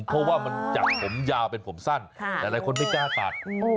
เพราะว่ามันจากผมยาวเป็นผมสั้นหลายคนไม่กล้าตัด